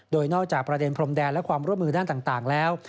โดยนอกจากประเด็นพรมแดนและความร่วมมือด้านต่างแล้ว